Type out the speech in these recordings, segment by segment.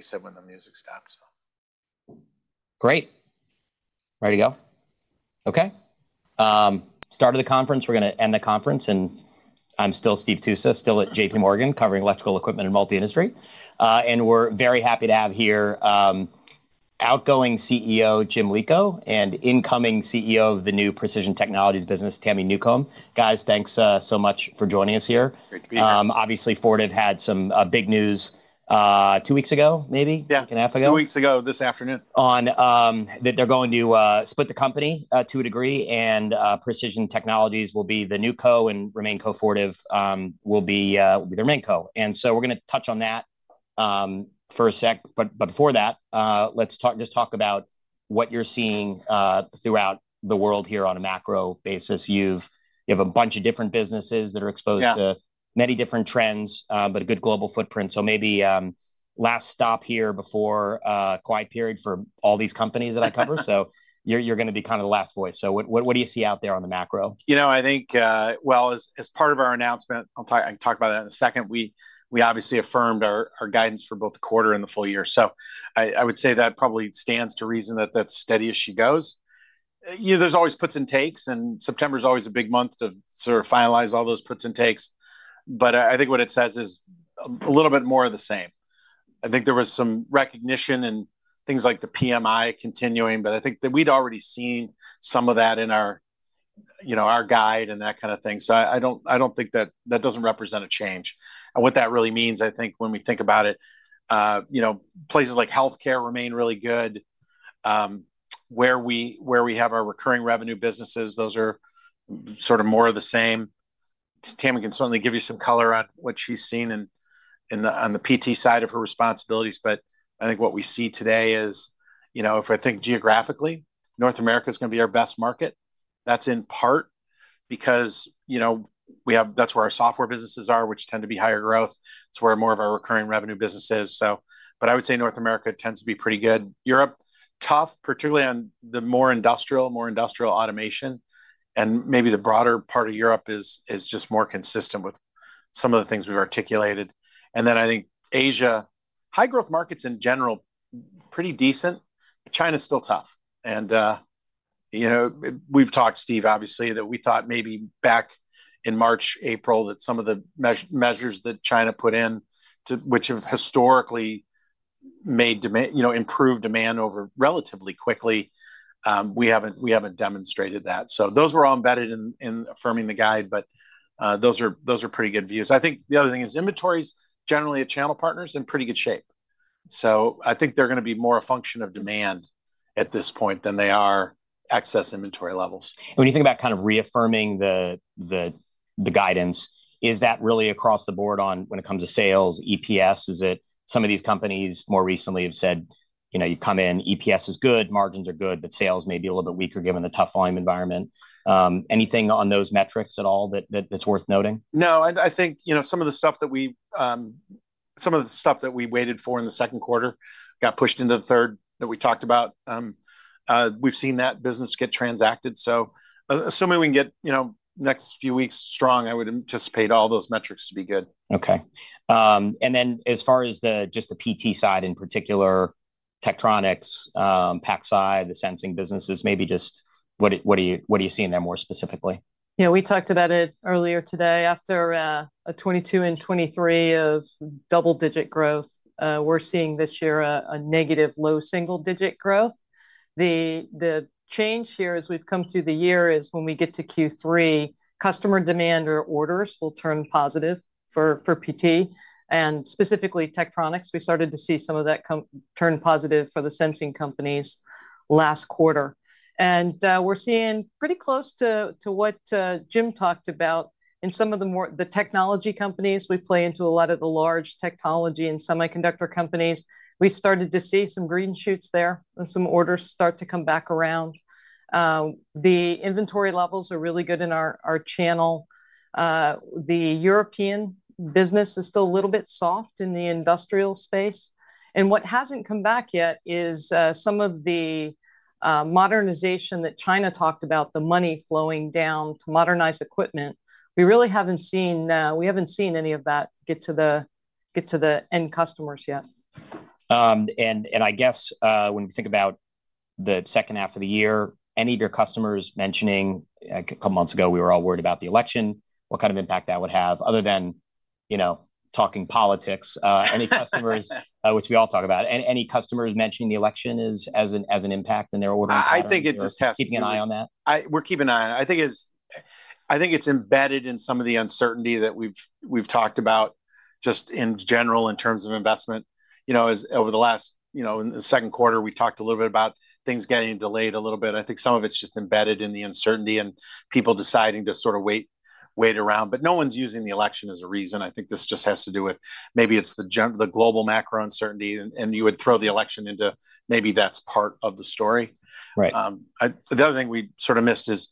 They said when the music stops, so. Great. Ready to go? Okay. Start of the conference, we're gonna end the conference, and I'm still Steve Tusa, still at J.P. Morgan, covering electrical equipment and multi-industry. And we're very happy to have here, outgoing CEO, Jim Lico, and incoming CEO of the new Precision Technologies business, Tami Newcomb. Guys, thanks, so much for joining us here. Great to be here. Obviously, Fortive had some big news two weeks ago, maybe- Yeah... a week and a half ago. Two weeks ago this afternoon. On that they're going to split the company to a degree, and Precision Technologies will be the NewCo, and RemainCo Fortive will be their main company. And so we're gonna touch on that for a sec. But before that, let's just talk about what you're seeing throughout the world here on a macro basis. You have a bunch of different businesses that are exposed to- Yeah... many different trends, but a good global footprint. So maybe last stop here before a quiet period for all these companies that I cover. So you're gonna be kind of the last voice. So what do you see out there on the macro? You know, I think, well, as part of our announcement, I can talk about that in a second. We obviously affirmed our guidance for both the quarter and the full year. So I would say that probably stands to reason that that's steady as she goes. You know, there's always puts and takes, and September's always a big month to sort of finalize all those puts and takes. But I think what it says is a little bit more of the same. I think there was some recognition in things like the PMI continuing, but I think that we'd already seen some of that in our guide and that kind of thing, so I don't think that. That doesn't represent a change. What that really means, I think, when we think about it, you know, places like healthcare remain really good. Where we have our recurring revenue businesses, those are sort of more of the same. Tami can certainly give you some color on what she's seen on the PT side of her responsibilities, but I think what we see today is, you know, if I think geographically, North America's gonna be our best market. That's in part because, you know, that's where our software businesses are, which tend to be higher growth. It's where more of our recurring revenue business is, so. But I would say North America tends to be pretty good. Europe, tough, particularly on the more industrial, more industrial automation, and maybe the broader part of Europe is just more consistent with some of the things we've articulated. And then I think Asia, high growth markets in general, pretty decent, but China's still tough. And, you know, we've talked, Steve, obviously, that we thought maybe back in March, April, that some of the measures that China put in which have historically made demand you know, improved demand over relatively quickly, we haven't demonstrated that. So those were all embedded in affirming the guide, but those are pretty good views. I think the other thing is inventory's generally at channel partners in pretty good shape. So I think they're gonna be more a function of demand at this point than they are excess inventory levels. And when you think about kind of reaffirming the guidance, is that really across the board on when it comes to sales, EPS? Is it... Some of these companies more recently have said, "You know, you come in, EPS is good, margins are good, but sales may be a little bit weaker given the tough volume environment." Anything on those metrics at all that's worth noting? No, I think, you know, some of the stuff that we waited for in the second quarter got pushed into the third that we talked about. We've seen that business get transacted, so, assuming we can get, you know, next few weeks strong, I would anticipate all those metrics to be good. Okay. And then as far as the, just the PT side in particular, Tektronix, PacSci, the sensing businesses, maybe just what are you seeing there more specifically? You know, we talked about it earlier today. After a 2022 and 2023 of double-digit growth, we're seeing this year a negative low single-digit growth. The change here, as we've come through the year, is when we get to Q3, customer demand or orders will turn positive for PT, and specifically Tektronix. We started to see some of that turn positive for the sensing companies last quarter. And we're seeing pretty close to what Jim talked about in some of the more. The technology companies, we play into a lot of the large technology and semiconductor companies. We've started to see some green shoots there and some orders start to come back around. The inventory levels are really good in our channel. The European business is still a little bit soft in the industrial space, and what hasn't come back yet is some of the modernization that China talked about, the money flowing down to modernize equipment. We really haven't seen any of that get to the end customers yet. And I guess when we think about the second half of the year, any of your customers mentioning a couple months ago we were all worried about the election, what kind of impact that would have, other than, you know, talking politics, any customers which we all talk about, any customers mentioning the election as an impact in their ordering? I think it just has to- Keeping an eye on that. We're keeping an eye. I think it's embedded in some of the uncertainty that we've talked about, just in general, in terms of investment. You know, as over the last, you know, in the second quarter, we've talked a little bit about things getting delayed a little bit. I think some of it's just embedded in the uncertainty and people deciding to sort of wait around, but no one's using the election as a reason. I think this just has to do with maybe it's the global macro uncertainty, and you would throw the election into maybe that's part of the story. Right. The other thing we sort of missed is,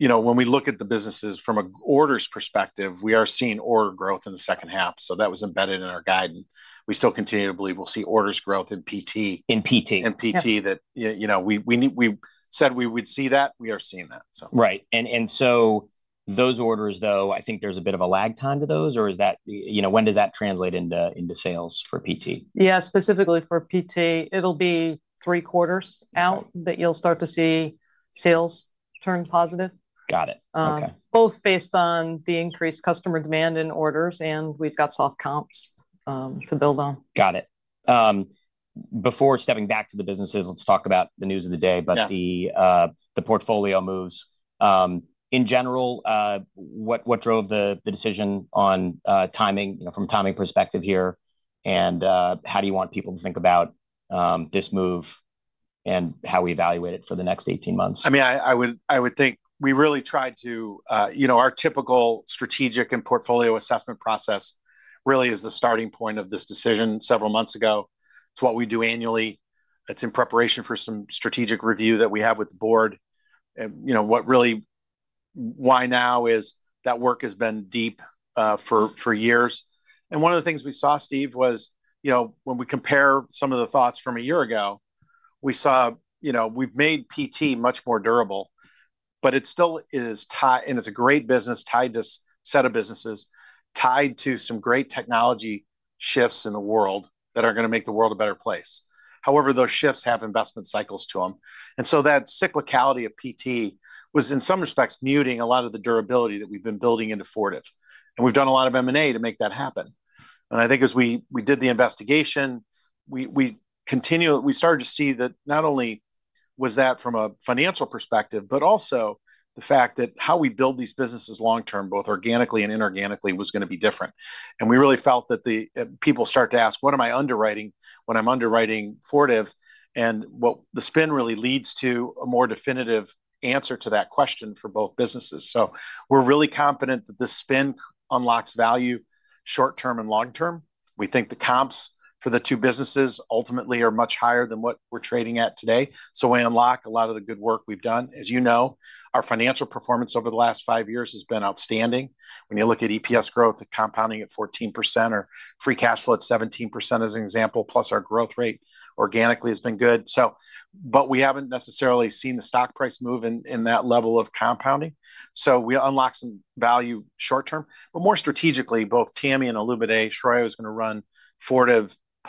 you know, when we look at the businesses from an orders perspective, we are seeing order growth in the second half, so that was embedded in our guide, and we still continue to believe we'll see orders growth in PT. In PT. In PT- Yeah... that, you know, we said we would see that. We are seeing that, so. Right. And so those orders, though, I think there's a bit of a lag time to those, or is that, you know, when does that translate into sales for PT? Yeah, specifically for PT, it'll be three quarters out- Okay... that you'll start to see sales turn positive. Got it. Okay. Both based on the increased customer demand and orders, and we've got soft comps to build on. Got it. Before stepping back to the businesses, let's talk about the news of the day. Yeah. But the portfolio moves. In general, what drove the decision on timing, you know, from a timing perspective here, and how do you want people to think about this move, and how we evaluate it for the next 18 months? I mean, I would think we really tried to. You know, our typical strategic and portfolio assessment process really is the starting point of this decision several months ago. It's what we do annually. It's in preparation for some strategic review that we have with the board. And, you know, what really why now is, that work has been deep for years. And one of the things we saw, Steve, was, you know, when we compare some of the thoughts from a year ago, we saw, you know, we've made PT much more durable, but it still is tied and it's a great business tied to set of businesses, tied to some great technology shifts in the world that are gonna make the world a better place. However, those shifts have investment cycles to them. And so that cyclicality of PT was, in some respects, muting a lot of the durability that we've been building into Fortive, and we've done a lot of M&A to make that happen. And I think as we did the investigation, we started to see that not only was that from a financial perspective, but also the fact that how we build these businesses long-term, both organically and inorganically, was gonna be different. And we really felt that people start to ask, "What am I underwriting when I'm underwriting Fortive?" And, well, the spin really leads to a more definitive answer to that question for both businesses. So we're really confident that the spin unlocks value short-term and long-term. We think the comps for the two businesses ultimately are much higher than what we're trading at today, so we unlock a lot of the good work we've done. As you know, our financial performance over the last five years has been outstanding. When you look at EPS growth, the compounding at 14%, or free cash flow at 17%, as an example, plus our growth rate organically has been good, so but we haven't necessarily seen the stock price move in that level of compounding, so we unlock some value short-term, but more strategically, both Tami and Olumide Soroye is gonna run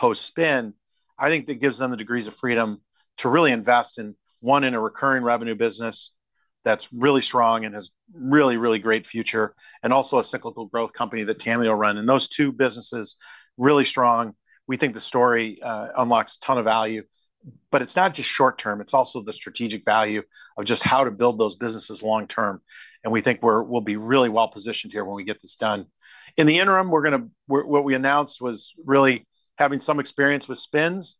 Fortive post-spin. I think that gives them the degrees of freedom to really invest in, one, in a recurring revenue business that's really strong and has really, really great future, and also a cyclical growth company that Tami will run, and those two businesses, really strong. We think the story unlocks a ton of value. But it's not just short-term, it's also the strategic value of just how to build those businesses long-term, and we think we'll be really well positioned here when we get this done. In the interim, we're gonna what we announced was really having some experience with spins.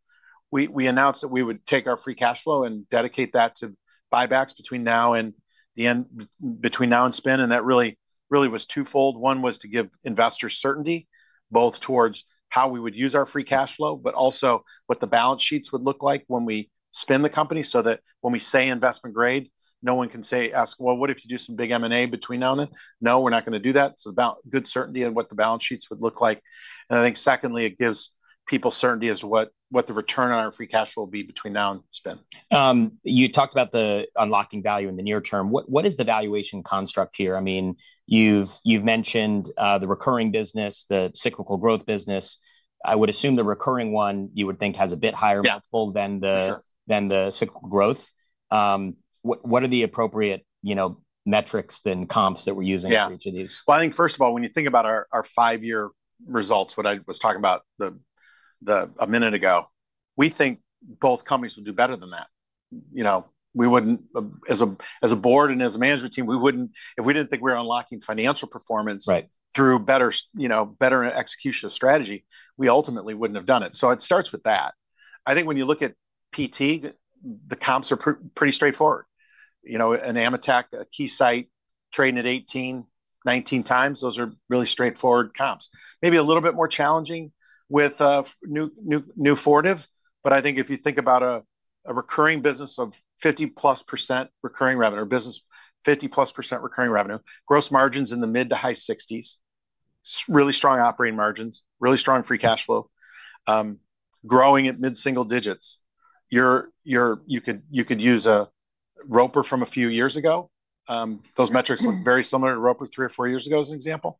We announced that we would take our free cash flow and dedicate that to buybacks between now and spin, and that really, really was twofold. One was to give investors certainty, both towards how we would use our free cash flow, but also what the balance sheets would look like when we spin the company, so that when we say investment grade, no one can say, ask, "Well, what if you do some big M&A between now and then?" No, we're not gonna do that, so good certainty in what the balance sheets would look like. And I think secondly, it gives people certainty as to what the return on our free cash flow will be between now and spin. You talked about the unlocking value in the near term. What is the valuation construct here? I mean, you've mentioned the recurring business, the cyclical growth business. I would assume the recurring one, you would think, has a bit higher- Yeah... multiple than the- For sure... than the cyclical growth. What are the appropriate, you know, metrics then comps that we're using- Yeah... for each of these? I think first of all, when you think about our five-year results, what I was talking about a minute ago, we think both companies will do better than that. You know, we wouldn't, as a board and as a management team, we wouldn't if we didn't think we were unlocking financial performance. Right... through better, you know, better execution of strategy, we ultimately wouldn't have done it. So it starts with that. I think when you look at PT, the comps are pretty straightforward. You know, an AMETEK, a Keysight, trading at 18-19 times, those are really straightforward comps. Maybe a little bit more challenging with New Fortive, but I think if you think about a recurring business of 50-plus% recurring revenue, gross margins in the mid- to high-60s%, really strong operating margins, really strong free cash flow, growing at mid-single digits%, you could use a Roper from a few years ago. Those metrics- Mm... look very similar to Roper three or four years ago, as an example.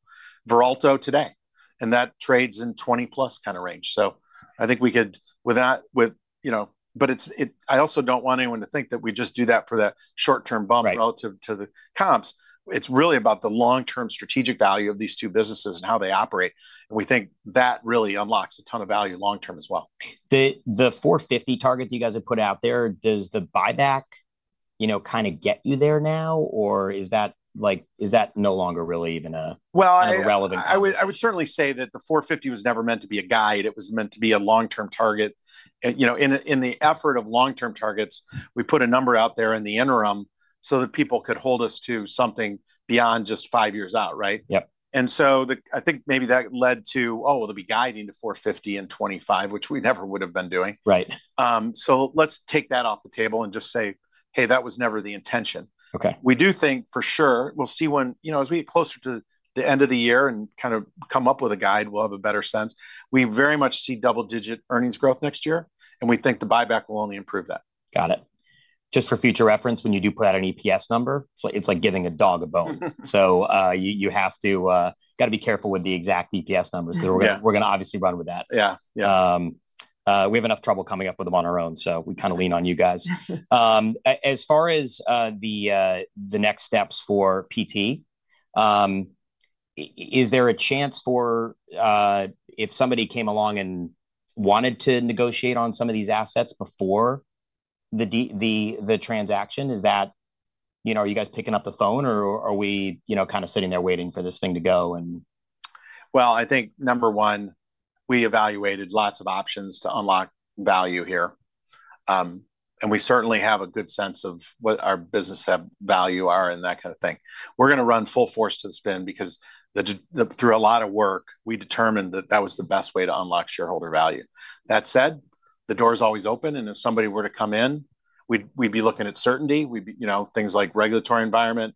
Veralto today, and that trades in 20-plus kind of range. So I think we could, with that. You know, but it's, I also don't want anyone to think that we just do that for that short-term bump- Right... relative to the comps. It's really about the long-term strategic value of these two businesses and how they operate, and we think that really unlocks a ton of value long-term as well. The 450 target you guys have put out there, does the buyback, you know, kind of get you there now, or is that, like, is that no longer really even a- Well, I-... a relevant piece? I would certainly say that the 450 was never meant to be a guide, it was meant to be a long-term target, and you know, in the effort of long-term targets, we put a number out there in the interim so that people could hold us to something beyond just five years out, right? Yep. I think maybe that led to, "Oh, they'll be guiding to 450 in 2025," which we never would've been doing. Right. So let's take that off the table and just say, "Hey, that was never the intention. Okay. We do think, for sure, we'll see. You know, as we get closer to the end of the year and kind of come up with a guide, we'll have a better sense. We very much see double-digit earnings growth next year, and we think the buyback will only improve that. Got it... Just for future reference, when you do put out an EPS number, it's like, it's like giving a dog a bone. So, you have to gotta be careful with the exact EPS numbers- Yeah... 'cause we're gonna obviously run with that. Yeah, yeah. We have enough trouble coming up with them on our own, so we kind of lean on you guys. As far as the next steps for PT, is there a chance for... If somebody came along and wanted to negotiate on some of these assets before the transaction, is that... You know, are you guys picking up the phone, or are we, you know, kind of sitting there waiting for this thing to go, and- I think, number one, we evaluated lots of options to unlock value here. And we certainly have a good sense of what our business values are, and that kind of thing. We're gonna run full force to the spin, because through a lot of work, we determined that that was the best way to unlock shareholder value. That said, the door's always open, and if somebody were to come in, we'd be looking at certainty. We'd be you know, things like regulatory environment.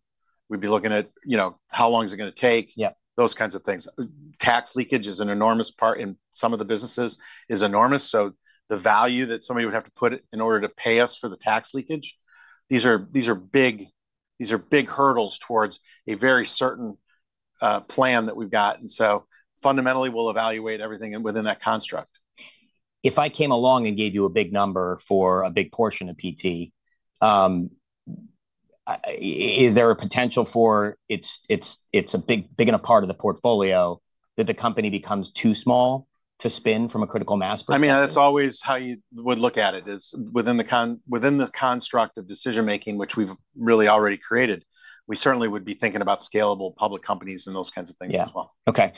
We'd be looking at, you know, how long is it gonna take? Yeah. Those kinds of things. Tax leakage is an enormous part in some of the businesses, so the value that somebody would have to put in order to pay us for the tax leakage. These are big hurdles towards a very certain plan that we've got. And so fundamentally, we'll evaluate everything within that construct. If I came along and gave you a big number for a big portion of PT, is there a potential for it’s a big enough part of the portfolio that the company becomes too small to spin from a critical mass perspective? I mean, that's always how you would look at it is within the construct of decision-making, which we've really already created. We certainly would be thinking about scalable public companies and those kinds of things as well. Yeah. Okay.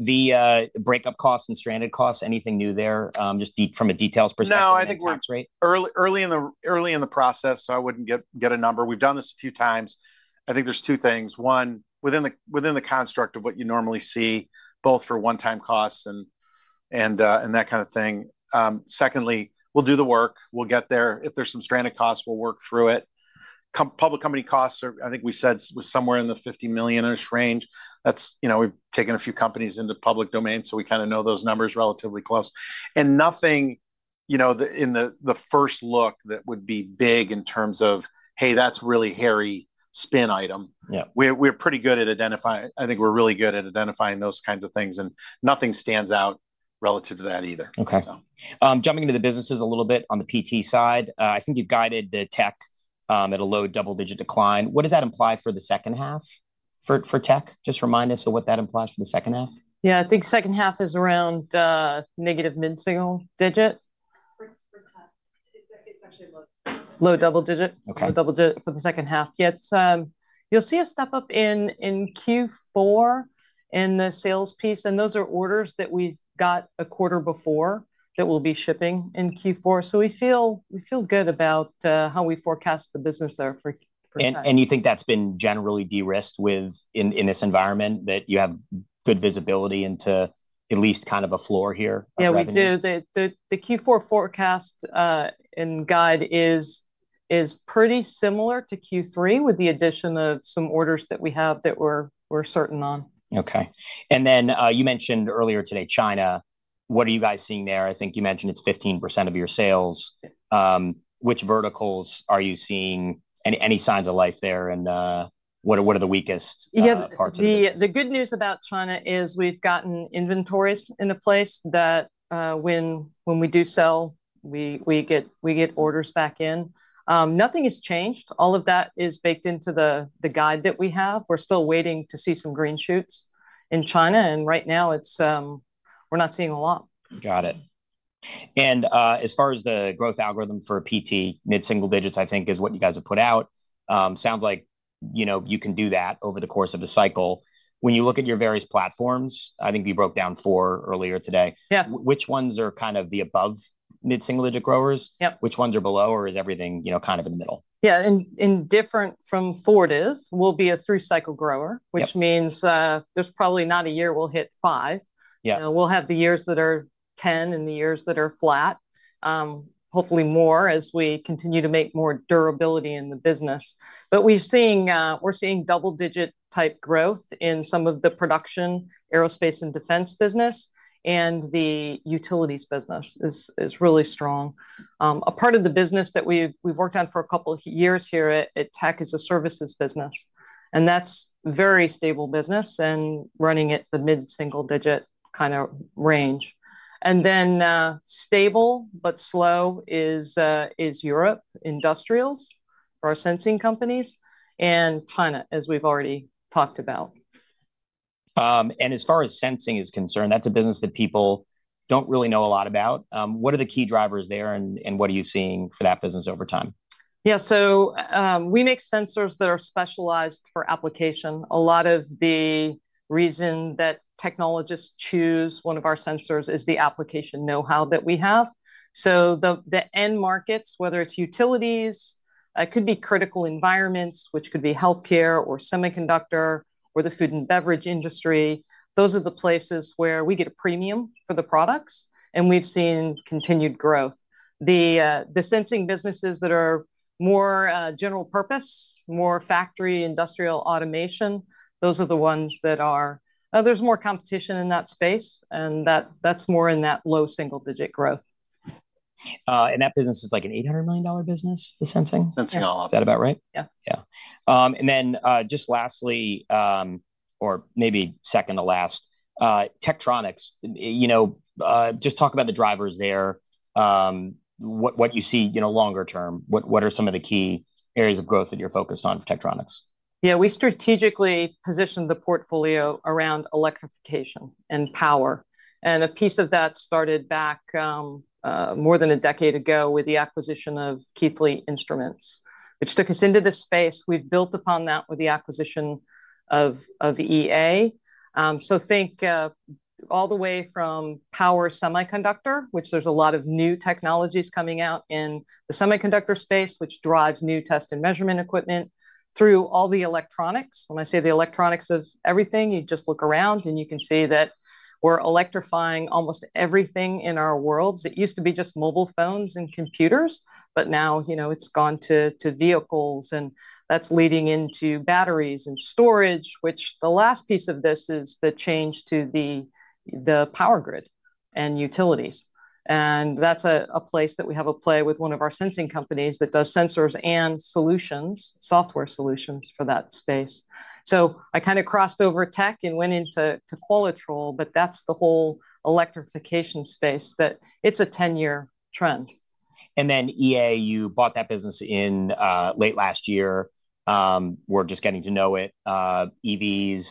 The breakup costs and stranded costs, anything new there, just from a details perspective? No - and timeframe?... I think we're early in the process, so I wouldn't get a number. We've done this a few times. I think there's two things: one, within the construct of what you normally see, both for one-time costs and that kind of thing. Secondly, we'll do the work. We'll get there. If there's some stranded costs, we'll work through it. Public company costs are, I think we said, was somewhere in the $50 million-ish range. That's, you know, we've taken a few companies into public domain, so we kind of know those numbers relatively close. And nothing, you know, in the first look that would be big in terms of, "Hey, that's a really hairy spin item"- Yeah... we're pretty good at identifying. I think we're really good at identifying those kinds of things, and nothing stands out relative to that either. Okay. So. Jumping into the businesses a little bit on the PT side, I think you've guided the Tek at a low double-digit decline. What does that imply for the second half? For Tek, just remind us of what that implies for the second half. Yeah, I think second half is around negative mid-single digit. For tech. It's actually low. Low double digit. Okay. Low double-digit for the second half. Yeah, it's. You'll see a step up in Q4 in the sales piece, and those are orders that we've got a quarter before that we'll be shipping in Q4. So we feel good about how we forecast the business there for Tech. You think that's been generally de-risked within this environment, that you have good visibility into at least kind of a floor here of revenue? Yeah, we do. The Q4 forecast and guide is pretty similar to Q3, with the addition of some orders that we have that we're certain on. Okay. And then, you mentioned earlier today China. What are you guys seeing there? I think you mentioned it's 15% of your sales. Which verticals are you seeing any signs of life there, and what are the weakest- Yeah... parts of the business? The good news about China is we've gotten inventories into place, that when we do sell, we get orders back in. Nothing has changed. All of that is baked into the guide that we have. We're still waiting to see some green shoots in China, and right now it's we're not seeing a lot. Got it. And, as far as the growth algorithm for PT, mid-single digits, I think, is what you guys have put out. Sounds like, you know, you can do that over the course of a cycle. When you look at your various platforms, I think you broke down four earlier today- Yeah... which ones are kind of the above mid-single-digit growers? Yeah. Which ones are below, or is everything, you know, kind of in the middle? Different from Fortive, we'll be a three-cycle grower. Yeah... which means, there's probably not a year we'll hit five. Yeah. We'll have the years that are 10 and the years that are flat. Hopefully more, as we continue to make more durability in the business. But we're seeing double-digit-type growth in some of the production, aerospace, and defense business, and the utilities business is really strong. A part of the business that we've worked on for a couple of years here at Tektronix is the services business, and that's very stable business, and running at the mid-single-digit kind of range. Then, stable but slow is Europe industrials for our sensing companies, and China, as we've already talked about. As far as sensing is concerned, that's a business that people don't really know a lot about. What are the key drivers there, and what are you seeing for that business over time? Yeah, so, we make sensors that are specialized for application. A lot of the reason that technologists choose one of our sensors is the application know-how that we have. So the end markets, whether it's utilities, could be critical environments, which could be healthcare or semiconductor or the food and beverage industry, those are the places where we get a premium for the products, and we've seen continued growth. The sensing businesses that are more general purpose, more factory industrial automation. Those are the ones that there's more competition in that space, and that, that's more in that low single-digit growth. And that business is, like, an $800 million business, the sensing? Sensing, all of it. Is that about right? Yeah. Yeah. And then, just lastly, or maybe second to last, Tektronix. You know, just talk about the drivers there, what you see, you know, longer term. What are some of the key areas of growth that you're focused on for Tektronix? Yeah, we strategically positioned the portfolio around electrification and power, and a piece of that started back more than a decade ago with the acquisition of Keithley Instruments, which took us into this space. We've built upon that with the acquisition of EA, so think all the way from power semiconductor, which there's a lot of new technologies coming out in the semiconductor space, which drives new test and measurement equipment, through all the electronics. When I say the electronics of everything, you just look around and you can see that we're electrifying almost everything in our worlds. It used to be just mobile phones and computers, but now, you know, it's gone to vehicles, and that's leading into batteries and storage, which the last piece of this is the change to the power grid and utilities. That's a place that we have a play with one of our sensing companies that does sensors and solutions, software solutions for that space. I kind of crossed over tech and went into Qualitrol, but that's the whole electrification space, that it's a 10-year trend. And then EA, you bought that business in late last year. We're just getting to know it. EVs,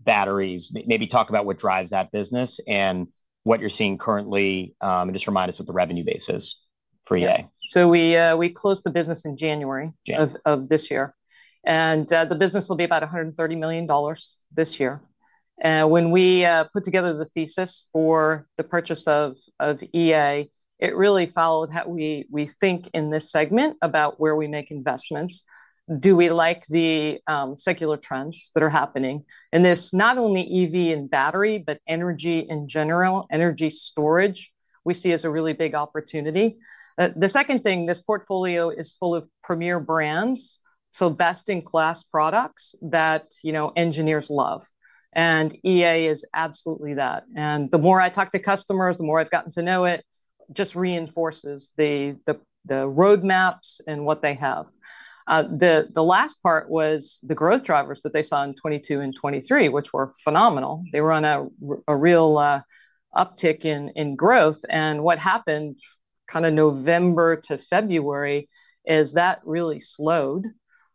batteries, maybe talk about what drives that business and what you're seeing currently, and just remind us what the revenue base is for EA. So we closed the business in January- January of this year And the business will be about $130 million this year. And when we put together the thesis for the purchase of EA, it really followed how we think in this segment about where we make investments. Do we like the secular trends that are happening? And this not only EV and battery, but energy in general. Energy storage we see as a really big opportunity. The second thing, this portfolio is full of premier brands, so best-in-class products that, you know, engineers love, and EA is absolutely that. And the more I talk to customers, the more I've gotten to know it, just reinforces the roadmaps and what they have. The last part was the growth drivers that they saw in 2022 and 2023, which were phenomenal. They were on a real uptick in growth, and what happened kind of November to February is that really slowed.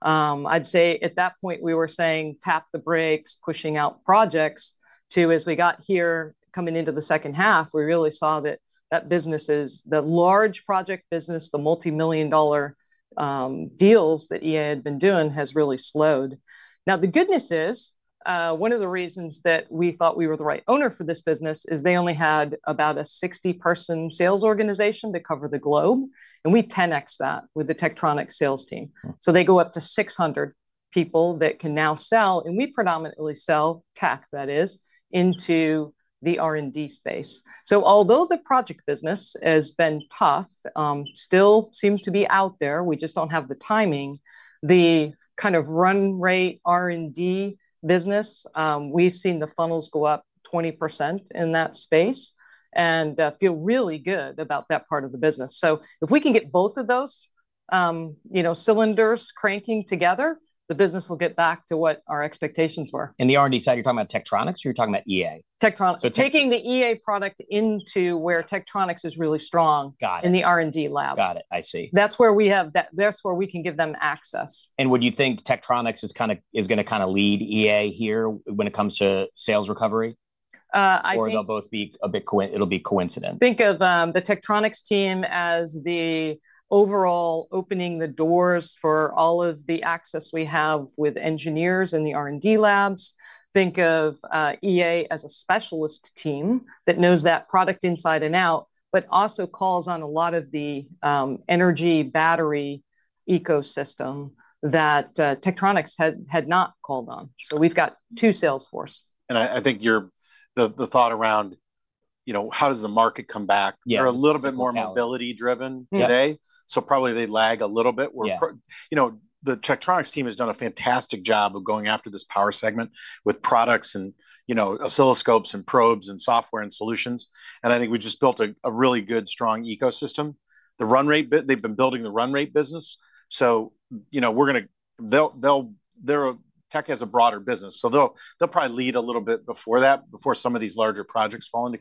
I'd say at that point we were saying tap the brakes, pushing out projects, to as we got here, coming into the second half, we really saw that that business is the large project business. The multimillion-dollar deals that EA had been doing has really slowed. Now, the good news is, one of the reasons that we thought we were the right owner for this business is they only had about a 60-person sales organization that covered the globe, and we 10Xed that with the Tektronix sales team. Mm. So they go up to 600 people that can now sell, and we predominantly sell Tek that is into the R&D space. So although the project business has been tough, still seems to be out there, we just don't have the timing, the kind of run rate R&D business. We've seen the funnels go up 20% in that space and feel really good about that part of the business. So if we can get both of those, you know, cylinders cranking together, the business will get back to what our expectations were. In the R&D side, you're talking about Tektronix, or you're talking about EA? Tektronix. So- Taking the EA product into where Tektronix is really strong- Got it... in the R&D lab. Got it. I see. That's where we can give them access. Would you think Tektronix is gonna kind of lead EA here when it comes to sales recovery? I think- Or they'll both be a bit. It'll be coincident? Think of the Tektronix team as the overall opening the doors for all of the access we have with engineers in the R&D labs. Think of EA as a specialist team that knows that product inside and out, but also calls on a lot of the energy battery ecosystem that Tektronix had not called on. Mm. We've got two salesforce. I think the thought around, you know, how does the market come back- Yes, simple power.... they're a little bit more mobility driven today. Yeah... so probably they lag a little bit. Yeah. We're, you know, the Tektronix team has done a fantastic job of going after this power segment with products and, you know, oscilloscopes and probes and software and solutions, and I think we just built a, a really good, strong ecosystem. The run rate they've been building the run rate business, so, you know, we're gonna they'll, they'll, they're, Tech has a broader business, so they'll, they'll probably lead a little bit before that, before some of these larger projects fall into-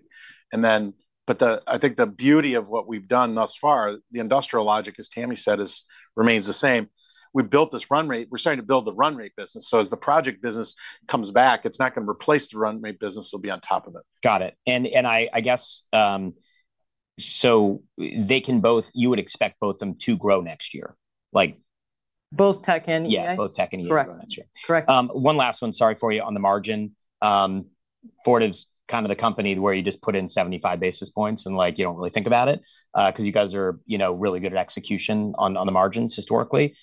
and then, but the, I think the beauty of what we've done thus far, the industrial logic, as Tami said, is, remains the same. We've built this run rate. We're starting to build the run rate business, so as the project business comes back, it's not gonna replace the run rate business, it'll be on top of it. Got it. And I guess you would expect both of them to grow next year? Like- Both Tech and EA? Yeah, both Tech and EA- Correct... growing next year. Correct. One last one, sorry, for you on the margin. Fortive's kind of the company where you just put in 75 basis points, and, like, you don't really think about it, 'cause you guys are, you know, really good at execution on, on the margins historically.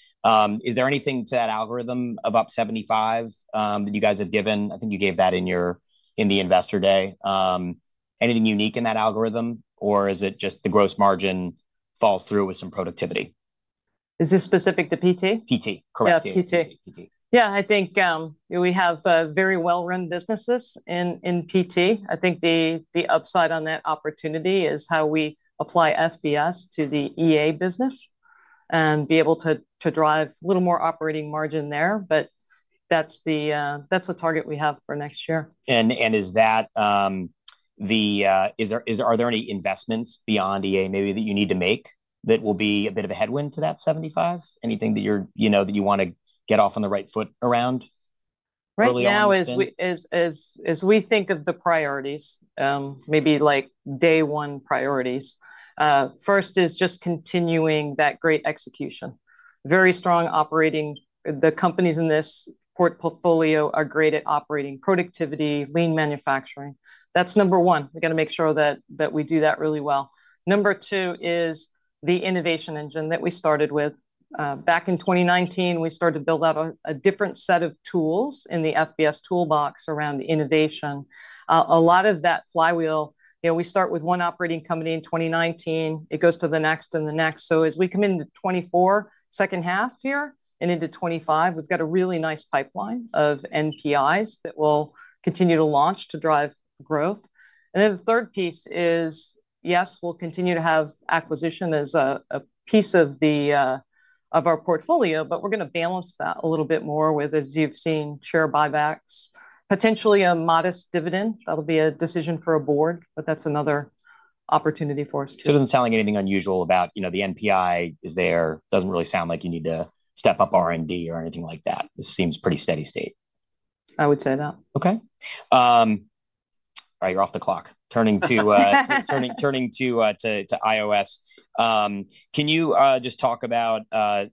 Is there anything to that algorithm of up 75 that you guys have given? I think you gave that in your, in the Investor Day. Anything unique in that algorithm, or is it just the gross margin falls through with some productivity? Is this specific to PT? PT, correct. Yeah, PT. Yeah, I think we have very well-run businesses in PT. I think the upside on that opportunity is how we apply FBS to the EA business and be able to drive a little more operating margin there. But that's the target we have for next year. Is there, are there any investments beyond EA maybe that you need to make that will be a bit of a headwind to that 75? Anything that you're, you know, that you want to get off on the right foot around early on? Right now, as we think of the priorities, maybe like day one priorities, first is just continuing that great execution. Very strong operating. The companies in this portfolio are great at operating productivity, lean manufacturing. That's number one. We've got to make sure that we do that really well. Number two is the innovation engine that we started with. Back in 2019, we started to build out a different set of tools in the FBS toolbox around innovation. A lot of that flywheel, you know, we start with one operating company in 2019, it goes to the next and the next. So as we come into 2024, second half year and into 2025, we've got a really nice pipeline of NPIs that will continue to launch to drive growth. And then the third piece is, yes, we'll continue to have acquisition as a piece of the of our portfolio, but we're going to balance that a little bit more with, as you've seen, share buybacks, potentially a modest dividend. That'll be a decision for our board, but that's another opportunity for us, too. So it doesn't sound like anything unusual about, you know, the NPI is there. Doesn't really sound like you need to step up R&D or anything like that. This seems pretty steady state. I would say that. Okay. All right, you're off the clock. Turning to IOS. Can you just talk about the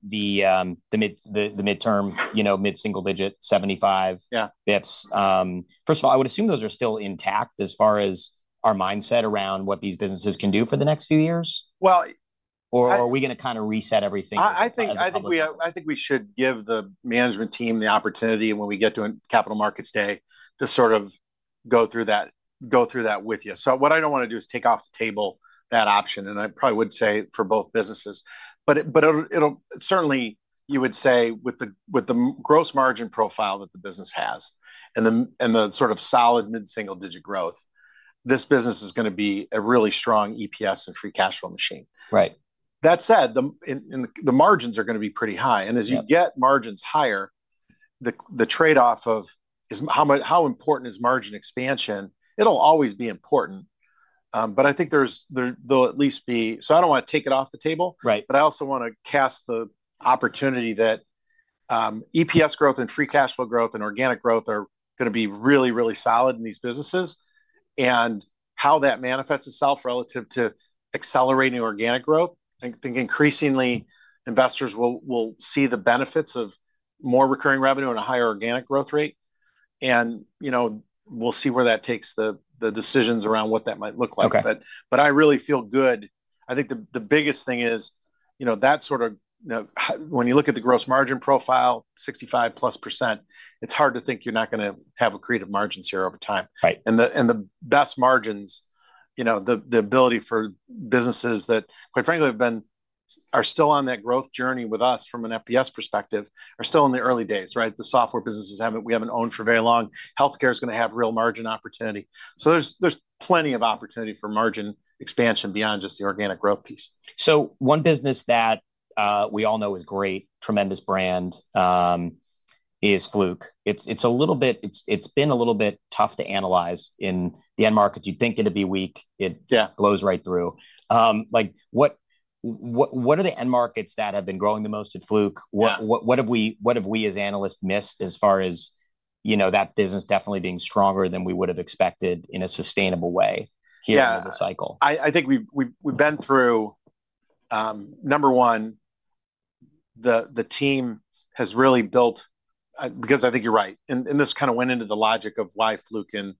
midterm, you know, mid-single digit, seventy-five- Yeah... EPS? First of all, I would assume those are still intact as far as our mindset around what these businesses can do for the next few years? Well- Or are we going to kind of reset everything, I think, as a public? I think we should give the management team the opportunity when we get to a capital markets day to sort of go through that with you. So what I don't want to do is take off the table that option, and I probably would say for both businesses. But it'll certainly you would say with the gross margin profile that the business has and the sort of solid mid-single digit growth, this business is going to be a really strong EPS and free cash flow machine. Right. That said, the margins are going to be pretty high. Yeah. As you get margins higher, the trade-off is how important is margin expansion? It'll always be important, but I think there'll at least be... So I don't want to take it off the table. Right. But I also want to cast the opportunity that, EPS growth and free cash flow growth and organic growth are going to be really, really solid in these businesses, and how that manifests itself relative to accelerating organic growth. I think increasingly, investors will see the benefits of more recurring revenue and a higher organic growth rate. And, you know, we'll see where that takes the decisions around what that might look like. Okay. But, I really feel good. I think the biggest thing is, you know, that sort of, when you look at the gross margin profile, 65% plus, it's hard to think you're not going to have accretive margins here over time. Right. And the best margins, you know, the ability for businesses that, quite frankly, are still on that growth journey with us from an FBS perspective, are still in the early days, right? The software businesses, we haven't owned for very long. Healthcare is going to have real margin opportunity. So there's plenty of opportunity for margin expansion beyond just the organic growth piece. So one business that we all know is great, tremendous brand, is Fluke. It's been a little bit tough to analyze in the end market. You'd think it'd be weak, it- Yeah... blows right through. Like what are the end markets that have been growing the most at Fluke? Yeah. What have we as analysts missed as far as, you know, that business definitely being stronger than we would have expected in a sustainable way? Yeah... here in the cycle? I think we've been through. Number one, the team has really built, because I think you're right, and this kind of went into the logic of why Fluke and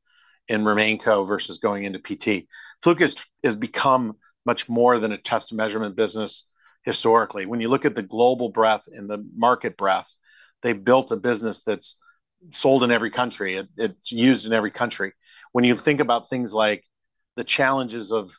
RemainCo versus going into PT. Fluke is become much more than a test measurement business historically. When you look at the global breadth and the market breadth, they've built a business that's sold in every country, it's used in every country. When you think about things like the challenges of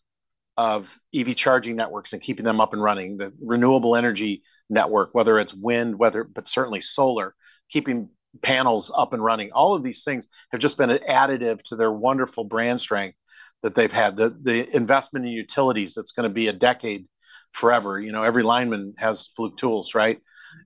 EV charging networks and keeping them up and running, the renewable energy network, whether it's wind, but certainly solar, keeping panels up and running, all of these things have just been additive to their wonderful brand strength that they've had. The investment in utilities, that's going to be a decade forever. You know, every lineman has Fluke tools, right?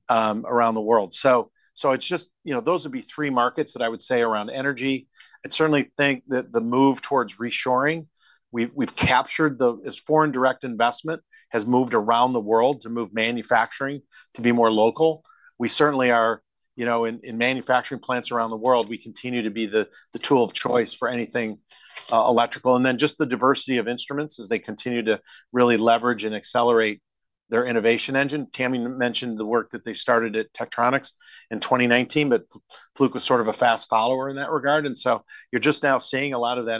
Around the world. So, it's just, you know, those would be three markets that I would say around energy. I'd certainly think that the move towards reshoring, we've captured as foreign direct investment has moved around the world to move manufacturing to be more local, we certainly are. You know, in manufacturing plants around the world, we continue to be the tool of choice for anything electrical. And then just the diversity of instruments as they continue to really leverage and accelerate their innovation engine. Tami mentioned the work that they started at Tektronix in 2019, but Fluke was sort of a fast follower in that regard. And so you're just now seeing a lot of that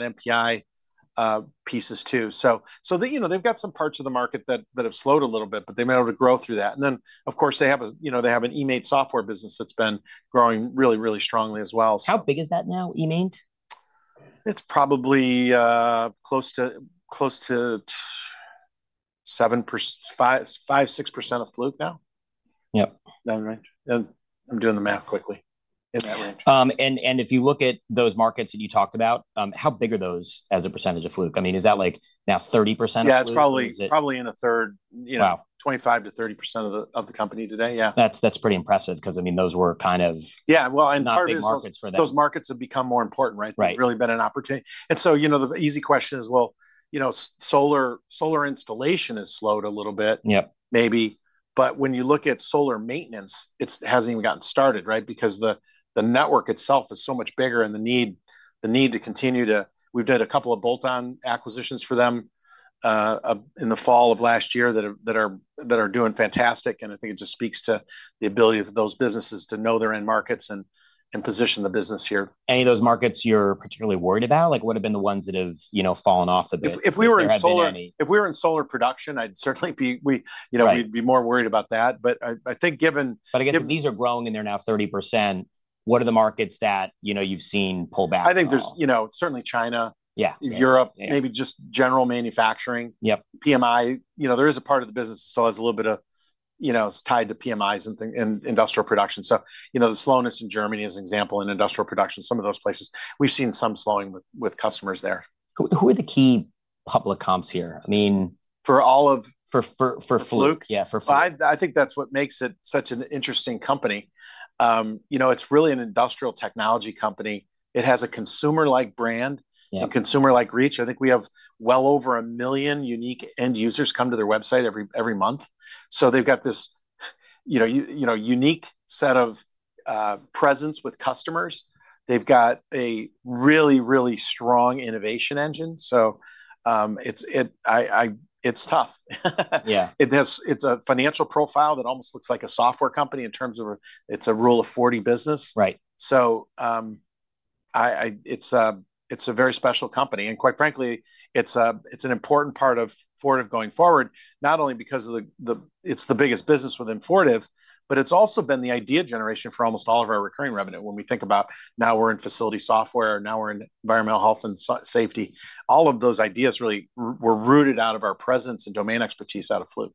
NPI pieces, too. So, you know, they've got some parts of the market that have slowed a little bit, but they've been able to grow through that. And then, of course, they have, you know, an eMaint software business that's been growing really, really strongly as well, so- How big is that now, eMaint? It's probably close to 7%, 5-6% of Fluke now? Yep. That range, and I'm doing the math quickly, in that range. And if you look at those markets that you talked about, how big are those as a percentage of Fluke? I mean, is that, like, now 30% of Fluke? Yeah, it's probably- Or is it-... probably in a third, you know- Wow... 25%-30% of the company today, yeah. That's pretty impressive, 'cause, I mean, those were kind of- Yeah, well, and part is- Not big markets for them.... those markets have become more important, right? Right. There's really been an opportunity, and so, you know, the easy question is, well, you know, solar installation has slowed a little bit- Yep... maybe. But when you look at solar maintenance, it hasn't even gotten started, right? Because the network itself is so much bigger, and the need to continue to... We've done a couple of bolt-on acquisitions for them in the fall of last year that are doing fantastic, and I think it just speaks to the ability of those businesses to know they're in markets and position the business here. Any of those markets you're particularly worried about? Like, would've been the ones that have, you know, fallen off a bit- If we were in solar- If there had been any... if we were in solar production, I'd certainly be Right... you know, we'd be more worried about that. But I think given- But I guess these are growing, and they're now 30%. What are the markets that, you know, you've seen pull back at all? I think there's, you know, certainly China- Yeah... Europe- Yeah... maybe just general manufacturing. Yep. PMI, you know, there is a part of the business that still has a little bit of, you know, it's tied to PMIs and things and industrial production. So, you know, the slowness in Germany, as an example, in industrial production, some of those places, we've seen some slowing with, with customers there. Who, who are the key public comps here? I mean... For all of- For Fluke. For Fluke? Yeah, for Fluke. I think that's what makes it such an interesting company. You know, it's really an industrial technology company. It has a consumer-like brand- Yeah... a consumer-like reach. I think we have well over a million unique end users come to their website every month. So they've got this, you know, unique set of presence with customers. They've got a really, really strong innovation engine. So it's tough. Yeah. It's a financial profile that almost looks like a software company in terms of... It's a rule of 40 business. Right. It's a very special company, and quite frankly, it's an important part of Fortive going forward, not only because it's the biggest business within Fortive, but it's also been the idea generation for almost all of our recurring revenue. When we think about now we're in facility software, now we're in environmental health and safety, all of those ideas really were rooted out of our presence and domain expertise out of Fluke.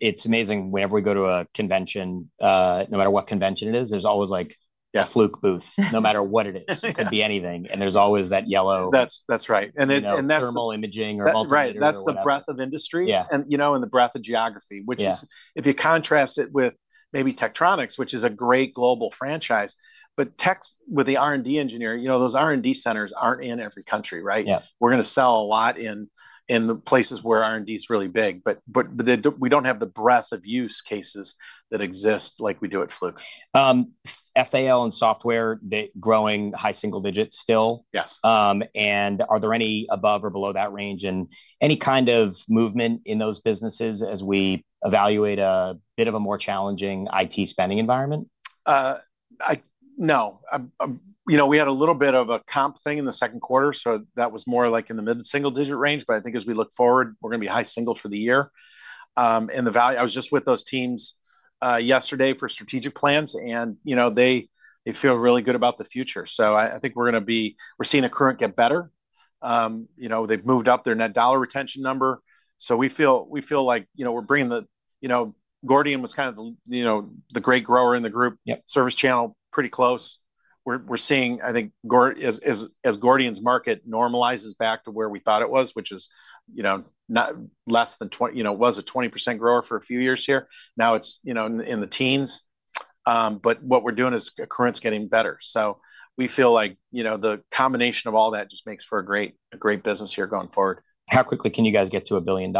It's amazing, whenever we go to a convention, no matter what convention it is, there's always, like- Yeah... Fluke booth... no matter what it is. Yes. It could be anything, and there's always that yellow- That's right. And that's- You know, thermal imaging or multimeter- That-... or whatever.... right, that's the breadth of industries- Yeah... and, you know, and the breadth of geography. Yeah. Which is, if you contrast it with maybe Tektronix, which is a great global franchise, but Tek's, with the R&D engineering, you know, those R&D centers aren't in every country, right? Yeah. We're gonna sell a lot in the places where R&D is really big, but we don't have the breadth of use cases that exist like we do at Fluke. FAL and software, they growing high single digits still? Yes. And are there any above or below that range, and any kind of movement in those businesses as we evaluate a bit of a more challenging IT spending environment? No. I, you know, we had a little bit of a comp thing in the second quarter, so that was more, like, in the mid-single-digit range. But I think as we look forward, we're gonna be high single for the year. And the value- I was just with those teams, yesterday for strategic plans and, you know, they, they feel really good about the future. So I, I think we're gonna be- we're seeing the current get better. You know, they've moved up their net dollar retention number, so we feel, we feel like, you know, we're bringing the... You know, Gordian was kind of the, you know, the great grower in the group. Yeah. ServiceChannel, pretty close. We're seeing, I think, Gordian, as Gordian's market normalizes back to where we thought it was, which is, you know, not less than 20%. You know, was a 20% grower for a few years here. Now it's, you know, in the teens. But what we're doing is organic getting better. So we feel like, you know, the combination of all that just makes for a great business here going forward. How quickly can you guys get to $1 billion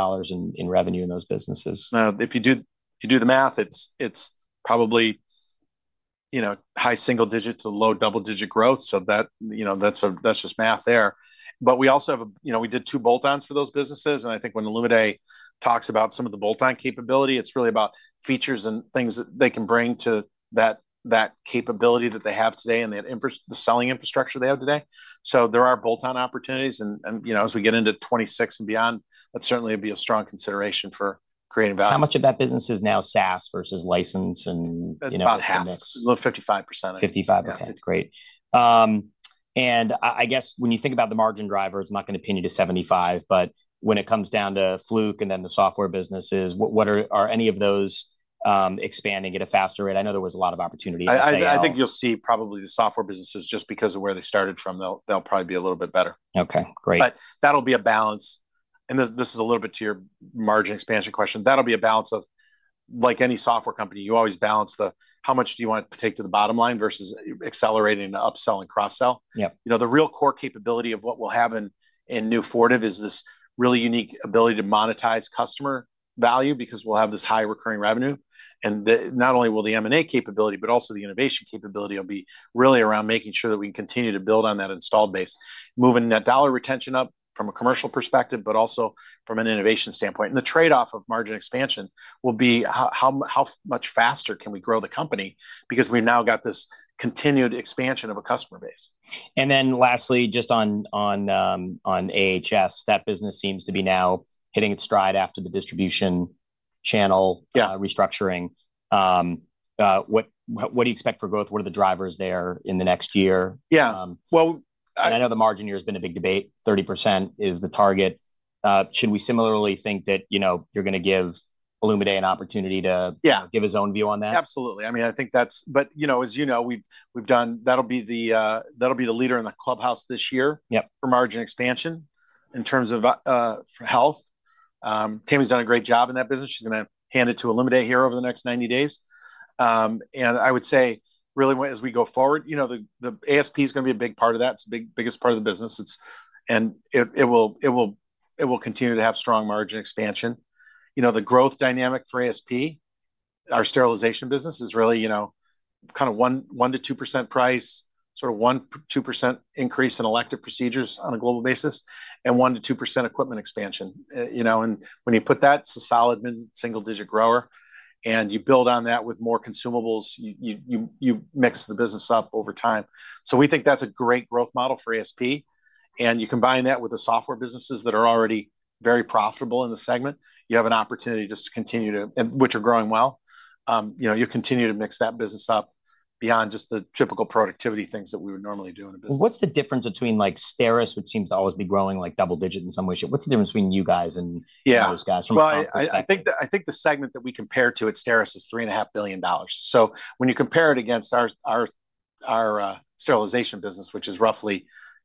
in revenue in those businesses? If you do the math, it's probably, you know, high single digit to low double-digit growth, so that, you know, that's just math there. But we also have, you know, we did two bolt-ons for those businesses, and I think when Olumide talks about some of the bolt-on capability, it's really about features and things that they can bring to that capability that they have today and the selling infrastructure they have today. So there are bolt-on opportunities, and, you know, as we get into 2026 and beyond, that certainly will be a strong consideration for creating value. How much of that business is now SaaS versus license and- About half... you know, the mix? Little 55%, I'd say. 55%, great. Yeah. and I guess when you think about the margin driver, it's not gonna pin you to 75, but when it comes down to Fluke and then the software businesses, what are... Are any of those expanding at a faster rate? I know there was a lot of opportunity, but they all- I think you'll see probably the software businesses, just because of where they started from, they'll probably be a little bit better. Okay, great. But that'll be a balance. And this, this is a little bit to your margin expansion question. That'll be a balance of, like any software company, you always balance the, how much do you want to take to the bottom line versus accelerating the upsell and cross-sell? Yeah. You know, the real core capability of what we'll have in new Fortive is this really unique ability to monetize customer value, because we'll have this high recurring revenue. And the... Not only will the M&A capability, but also the innovation capability, will be really around making sure that we continue to build on that installed base, moving net dollar retention up from a commercial perspective, but also from an innovation standpoint. And the trade-off of margin expansion will be how much faster can we grow the company, because we've now got this continued expansion of a customer base. And then lastly, just on AHS, that business seems to be now hitting its stride after the distribution channel- Yeah Restructuring. What do you expect for growth? What are the drivers there in the next year? Yeah. Well, I- I know the margin here has been a big debate. 30% is the target. Should we similarly think that, you know, you're gonna give Olumide an opportunity to- Yeah - give his own view on that? Absolutely. I mean, I think that's but, you know, as you know, we've done. That'll be the leader in the clubhouse this year. Yep for margin expansion in terms of health. Tami's done a great job in that business. She's gonna hand it to Olumide here over the next 90 days. And I would say, really, well, as we go forward, you know, the ASP is gonna be a big part of that. It's the biggest part of the business. And it will continue to have strong margin expansion. You know, the growth dynamic for ASP, our sterilization business is really, you know, kind of 1-2% price, sort of 1-2% increase in elective procedures on a global basis, and 1-2% equipment expansion. You know, and when you put that, it's a solid mid-single-digit grower, and you build on that with more consumables, you mix the business up over time. So we think that's a great growth model for ASP, and you combine that with the software businesses that are already very profitable in the segment, you have an opportunity just to continue to... and which are growing well. You know, you continue to mix that business up beyond just the typical productivity things that we would normally do in a business. What's the difference between, like, STERIS, which seems to always be growing, like, double digit in some way? What's the difference between you guys and- Yeah Those guys from a profit perspective? I think the segment that we compare to at STERIS is $3.5 billion. So when you compare it against our sterilization business, which is roughly, you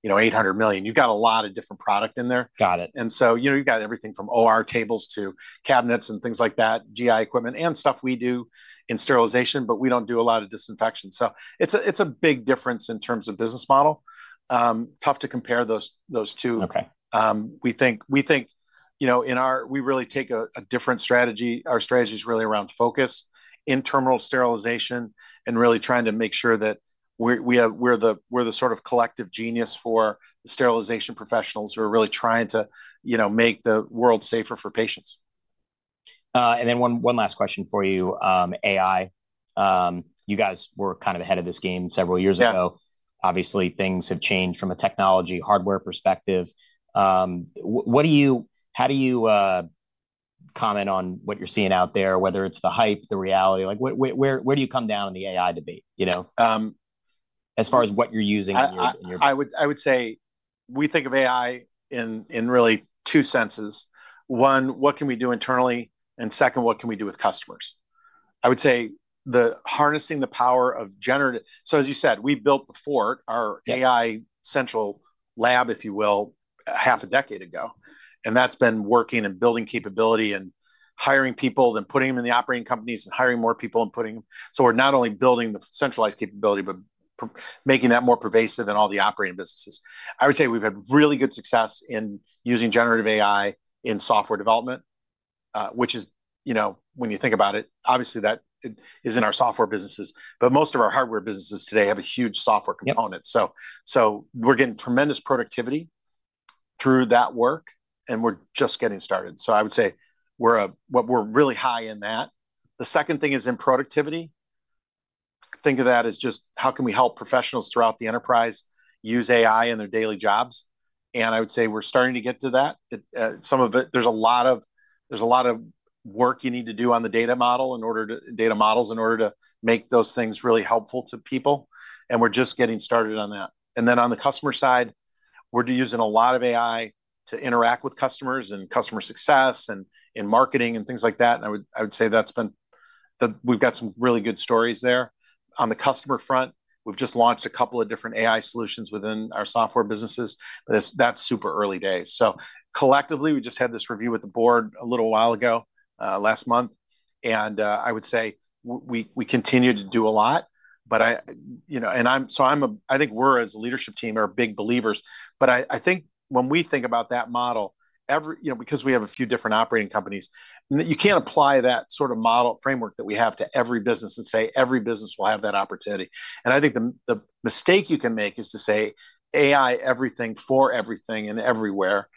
know, $800 million, you've got a lot of different product in there. Got it. You know, you've got everything from OR tables to cabinets and things like that, GI equipment, and stuff we do in sterilization, but we don't do a lot of disinfection. So it's a big difference in terms of business model. Tough to compare those two. Okay. We think, you know, we really take a different strategy. Our strategy is really around focus in terminal sterilization and really trying to make sure that we are the sort of collective genius for sterilization professionals who are really trying to, you know, make the world safer for patients. And then one last question for you, AI. You guys were kind of ahead of this game several years ago. Yeah. Obviously, things have changed from a technology, hardware perspective. How do you comment on what you're seeing out there, whether it's the hype, the reality? Like, where do you come down on the AI debate, you know? Um. As far as what you're using in your business. I would say we think of AI in really two senses. One, what can we do internally? And second, what can we do with customers? I would say harnessing the power of generative... So as you said, we built the Fortive, our- Yeah AI central lab, if you will, half a decade ago, and that's been working and building capability and hiring people, then putting them in the operating companies and hiring more people and putting... So we're not only building the centralized capability, but making that more pervasive in all the operating businesses. I would say we've had really good success in using generative AI in software development, which is, you know, when you think about it, obviously, that is in our software businesses, but most of our hardware businesses today have a huge software component. Yep. So we're getting tremendous productivity through that work, and we're just getting started. So I would say we're, well, we're really high in that. The second thing is in productivity. Think of that as just how can we help professionals throughout the enterprise use AI in their daily jobs? And I would say we're starting to get to that. Some of it. There's a lot of work you need to do on the data models in order to make those things really helpful to people, and we're just getting started on that. And then, on the customer side, we're using a lot of AI to interact with customers, in customer success, and in marketing and things like that. And I would say that's been. We've got some really good stories there. On the customer front, we've just launched a couple of different AI solutions within our software businesses. This, that's super early days. So collectively, we just had this review with the board a little while ago, last month, and I would say we continue to do a lot. But I, you know, and I'm. So I'm-- I think we, as a leadership team, are big believers. But I think when we think about that model, every, you know, because we have a few different operating companies, you can't apply that sort of model framework that we have to every business and say, every business will have that opportunity. And I think the mistake you can make is to say, AI, everything for everything and everywhere.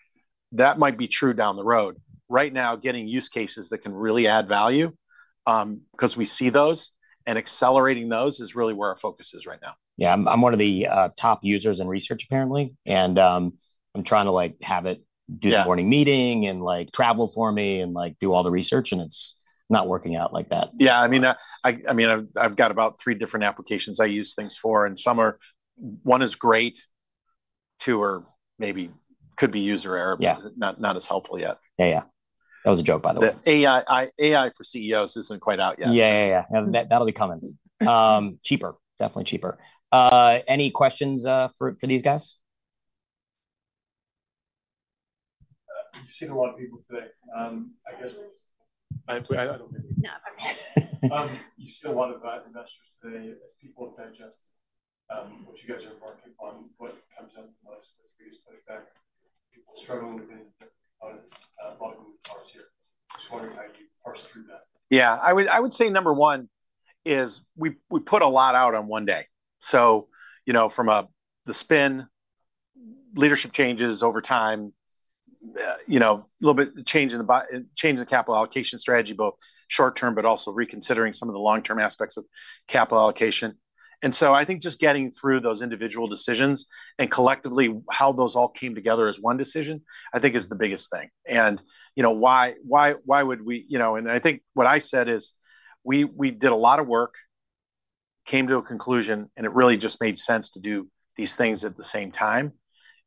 That might be true down the road. Right now, getting use cases that can really add value, 'cause we see those, and accelerating those is really where our focus is right now. Yeah, I'm one of the top users in research, apparently, and I'm trying to, like, have it- Yeah Do the morning meeting and, like, travel for me and, like, do all the research, and it's not working out like that. Yeah, I mean, I've got about three different applications I use things for, and some are... One is great, two are maybe could be user error. Yeah... but not, not as helpful yet. Yeah, yeah. That was a joke, by the way. The AI, AI for CEOs isn't quite out yet. Yeah, yeah, yeah. That, that'll be coming. Cheaper, definitely cheaper. Any questions for these guys? We've seen a lot of people today. Actually, I don't know. No, I'm ahead. You see a lot of investors today as people digest what you guys are embarking on, what comes up, what's the biggest pushback, people struggling within welcome parts here. Just wondering how you parse through that? Yeah, I would say number one is we put a lot out on one day. So, you know, from the spin, leadership changes over time, you know, a little bit change in the capital allocation strategy, both short-term, but also reconsidering some of the long-term aspects of capital allocation. And, you know, why would we. You know, and I think what I said is, we did a lot of work, came to a conclusion, and it really just made sense to do these things at the same time.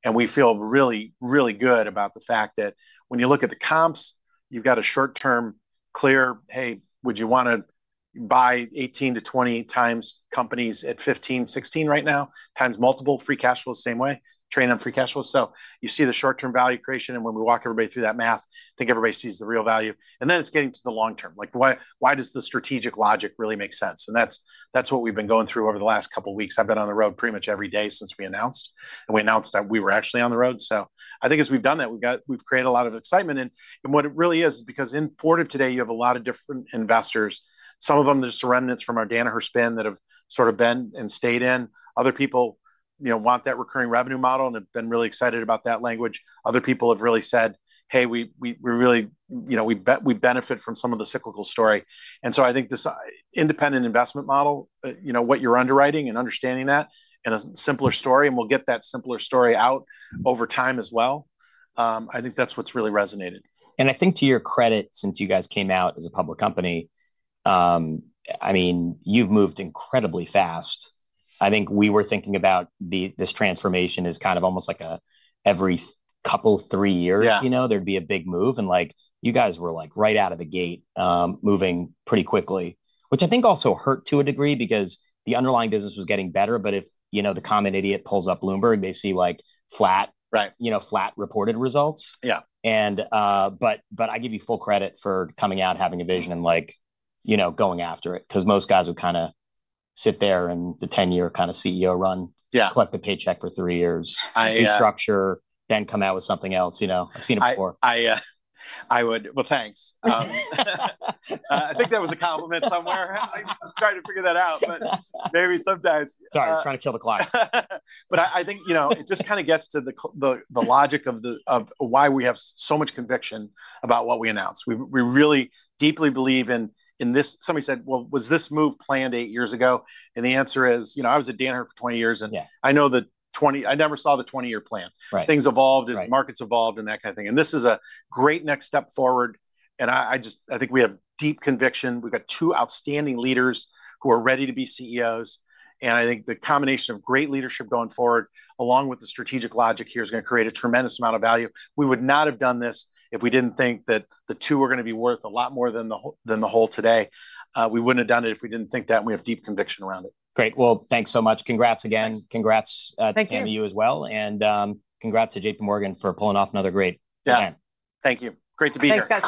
We feel really, really good about the fact that when you look at the comps, you've got a short-term, clear, "Hey, would you wanna buy 18-20 times companies at 15-16 right now, times multiple free cash flow, same way? Trade them free cash flow." So you see the short-term value creation, and when we walk everybody through that math, I think everybody sees the real value. Then it's getting to the long term. Like, why, why does the strategic logic really make sense? And that's what we've been going through over the last couple weeks. I've been on the road pretty much every day since we announced, and we announced that we were actually on the road. So I think as we've done that, we've created a lot of excitement. What it really is, is because in Fortive today, you have a lot of different investors. Some of them, there's some remnants from our Danaher spin that have sort of been and stayed in. Other people, you know, want that recurring revenue model and have been really excited about that language. Other people have really said, "Hey, we're really you know we benefit from some of the cyclical story." And so I think this independent investment model, you know, what you're underwriting and understanding that, and a simpler story, and we'll get that simpler story out over time as well, I think that's what's really resonated. And I think to your credit, since you guys came out as a public company, I mean, you've moved incredibly fast. I think we were thinking about this transformation as kind of almost like a every couple, three years- Yeah... you know, there'd be a big move. And, like, you guys were, like, right out of the gate, moving pretty quickly. Which I think also hurt to a degree, because the underlying business was getting better, but if, you know, the common idiot pulls up Bloomberg, they see, like, flat- Right... you know, flat reported results. Yeah. But I give you full credit for coming out, having a vision, and like, you know, going after it, 'cause most guys would kind of sit there in the 10-year kind of CEO run- Yeah... collect a paycheck for three years- I, uh-... restructure, then come out with something else. You know, I've seen it before. I would... Well, thanks. I think that was a compliment somewhere. I'm just trying to figure that out, but maybe sometimes- Sorry, I'm trying to kill the clock. But I think, you know, it just kind of gets to the logic of why we have so much conviction about what we announced. We really deeply believe in this... Somebody said, "Well, was this move planned eight years ago?" And the answer is, you know, I was at Danaher for 20 years, and- Yeah... I know that I never saw the 20-year plan. Right. Things evolved- Right... as markets evolved and that kind of thing. And this is a great next step forward, and I just, I think we have deep conviction. We've got two outstanding leaders who are ready to be CEOs, and I think the combination of great leadership going forward, along with the strategic logic here, is gonna create a tremendous amount of value. We would not have done this if we didn't think that the two were gonna be worth a lot more than the whole today. We wouldn't have done it if we didn't think that, and we have deep conviction around it. Great. Well, thanks so much. Congrats again. Thanks. Congrats, to Tami as well. Thank you. Congrats to J.P. Morgan for pulling off another great event. Yeah. Thank you. Great to be here. Thanks, guys.